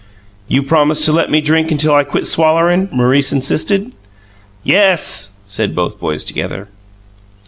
"You promise to let me drink until I quit swallering?" Maurice insisted. "Yes!" said both boys together.